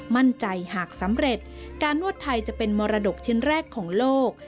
มั่นใจหากสำเร็จการนวดไทยจะเป็นมรดกชิ้นแรกของโลก